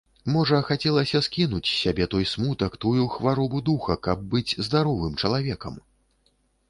Можа, хацелася скінуць з сябе той смутак, тую хваробу духа, каб быць здаровым чалавекам?